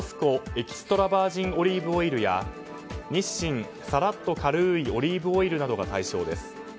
エキストラバージンオリーブオイルや日清さらっと軽いオリーブオイルなどが対象です。